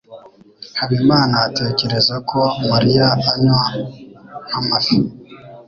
Habimana atekereza ko Mariya anywa nk'amafi.